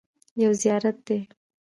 یو زیارت دی.